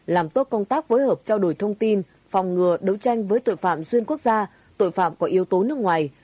làm tốt công tác phối hợp trao đổi thông tin phòng ngừa đấu tranh với tội phạm xuyên quốc gia tội phạm có yếu tố nước ngoài